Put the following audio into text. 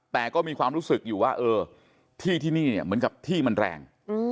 แต่ก็มีความรู้สึกอยู่ว่าเออที่ที่นี่เนี่ยเหมือนกับที่มันแรง